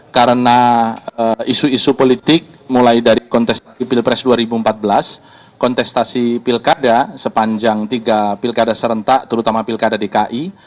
karena isu isu politik mulai dari kontestasi pilpres dua ribu empat belas kontestasi pilkada sepanjang tiga pilkada serentak terutama pilkada dki